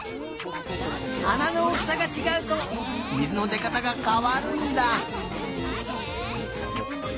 あなのおおきさがちがうとみずのでかたがかわるんだ。